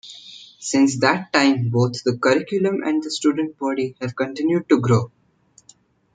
Since that time, both the curriculum and the student body have continued to grow.